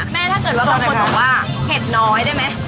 แม่น่าเกิดต้องคนบอกว่าเผ็ดน้อยได้ไหม